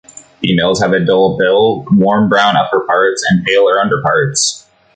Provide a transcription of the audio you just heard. Females have a dull bill, warm brown upperparts and paler underparts.